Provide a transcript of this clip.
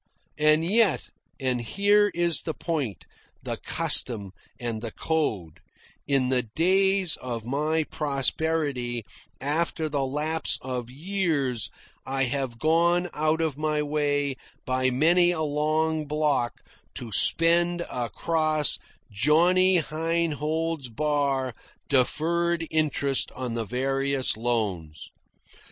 And yet and here is the point, the custom, and the code in the days of my prosperity, after the lapse of years, I have gone out of my way by many a long block to spend across Johnny Heinhold's bar deferred interest on the various loans.